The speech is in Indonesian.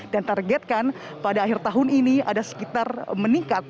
dan targetkan pada akhir tahun ini ada sekitar meningkat